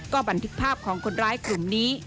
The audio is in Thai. ก็บันทึกภาพของคนร้ายกลุ่มนี้